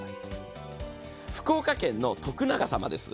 福岡県の徳永様です。